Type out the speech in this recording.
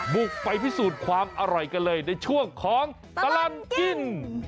บุกไปพิสูจน์ความอร่อยกันเลยในช่วงของตลอดกิน